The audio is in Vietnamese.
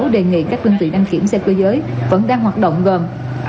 đề nghị các linh tự đăng kiểm xe cơ giới vẫn đang hoạt động gần